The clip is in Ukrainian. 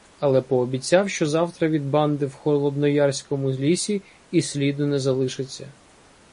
Але пообіцяв, що завтра від банди в Холодноярському лісі і сліду не залишиться.